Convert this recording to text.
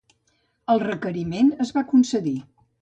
El requeriment es va concedir.